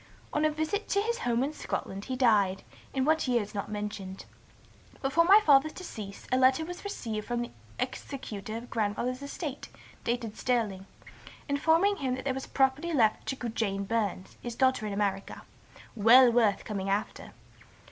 On a visit to his home in Scotland he died, in what year is not mentioned. Before my father's decease, a letter was received from the executor of grandfather's estate, dated Stirling, informing him there was property left to Jane Burns, his daughter in America, 'well worth coming after.'